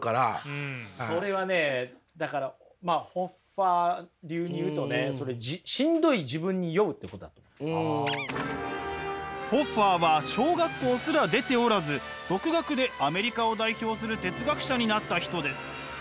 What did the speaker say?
それはねだからホッファー流に言うとねホッファーは小学校すら出ておらず独学でアメリカを代表する哲学者になった人です。